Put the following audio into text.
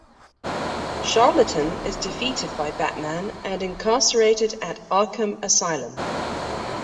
Charlatan is defeated by Batman and incarcerated at Arkham Asylum.